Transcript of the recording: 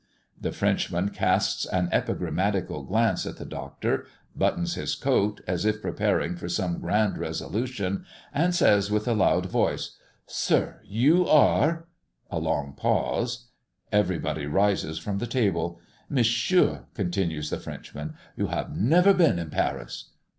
The Frenchman casts an epigrammatical glance at the Doctor, buttons his coat, as if preparing for some grand resolution, and says with a loud voice "Sir, you are" a long pause. Everybody rises from the table. "Monsieur," continues the Frenchman, "you have never been in Paris."